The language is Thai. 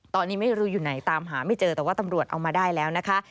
ตอนนี้ไม่รู้อยู่ไหนตามหาไม่เจอแต่ว่าตำรวจเอามาได้แล้วนะคะ